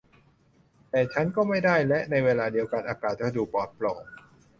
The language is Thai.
แต่ฉันก็ไม่ได้และในเวลาเดียวกันอากาศก็ดูปลอดโปร่ง